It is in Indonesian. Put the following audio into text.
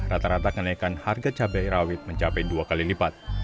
rata rata kenaikan harga cabai rawit mencapai dua kali lipat